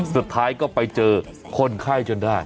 สุดท้ายก็ไปเจอคนไข้จนได้